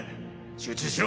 集中しろ。